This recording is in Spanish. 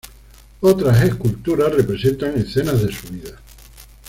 Otras esculturas representan escenas de su vida.